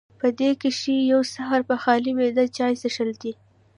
پۀ دې کښې يو سحر پۀ خالي معده چائے څښل دي